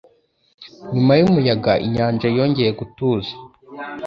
Nyuma yumuyaga, inyanja yongeye gutuza.